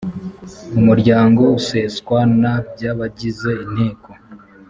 umuryango useswa na by abagize inteko